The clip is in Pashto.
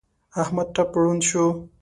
احمد ټپ ړوند شو.